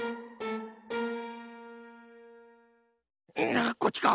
ああこっちか？